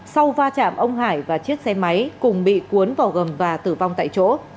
sau va chạm ông hải và chiếc xe máy cùng bị cuốn vào gầm và tử vong tại chỗ